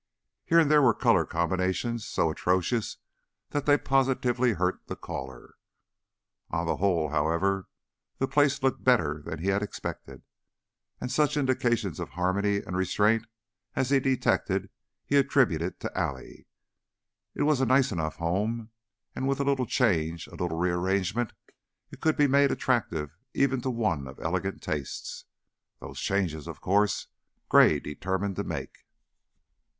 Here and there were color combinations so atrocious that they positively hurt the caller. On the whole, however, the place looked better than he had expected, and such indications of harmony and restraint as he detected he attributed to Allie. It was a nice enough home, and with a little change, a little rearrangement, it could be made attractive even to one of elegant tastes. Those changes, of course, Gray determined to make.